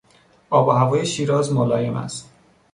آب و هوای شیراز ملایم است.